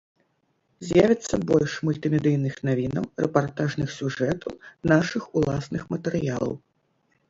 З'явіцца больш мультымедыйных навінаў, рэпартажных сюжэтаў, нашых уласных матэрыялаў.